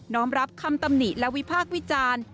้อมรับคำตำหนิและวิพากษ์วิจารณ์